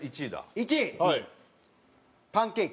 １位パンケーキ。